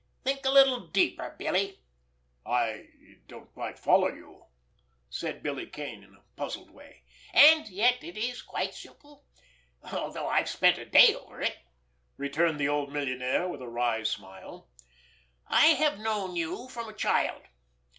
Think a little deeper, Billy." "I don't quite follow you," said Billy Kane, in a puzzled way. "And yet it is quite simple—although I've spent a day over it!" returned the old millionaire, with a wry smile. "I have known you from a child.